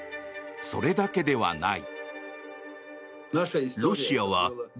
それだけではない。